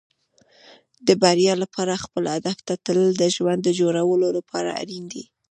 د بریا لپاره خپل هدف ته تلل د ژوند د جوړولو لپاره اړین دي.